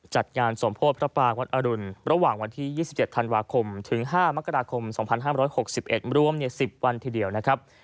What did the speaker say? จัดงานสมโพธิพระปางวัดอรุณระหว่างวันที่๒๗ธันวาคมถึง๕มกราคม๒๕๖๑รวม๑๐วันทีเดียวนะครับ